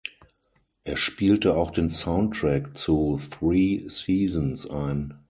Er spielte auch den Soundtrack zu Three Seasons ein.